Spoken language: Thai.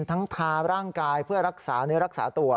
ทาร่างกายเพื่อรักษาเนื้อรักษาตัว